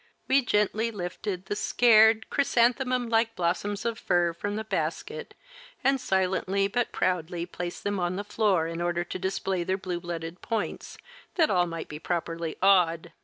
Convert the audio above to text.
We gently lifted the scared, chrysanthemum like blossoms of fur from the basket and silently but proudly placed them on the floor in order to display their blue blooded points, that all might be properly awed.